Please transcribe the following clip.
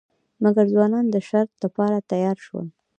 مګر ځوانان د شرط لپاره تیار شول.